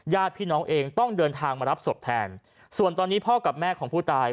ญาติพี่น้องเองต้องเดินทางมารับศพแทนส่วนตอนนี้พ่อกับแม่ของผู้ตาย